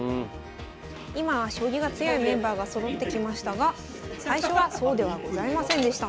今は将棋が強いメンバーがそろってきましたが最初はそうではございませんでした。